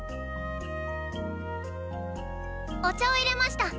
お茶をいれました！